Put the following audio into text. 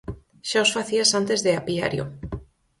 Xa os facías antes de Apiario.